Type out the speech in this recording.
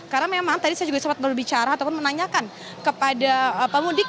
karena memang tadi saya juga sempat berbicara ataupun menanyakan kepada pemudik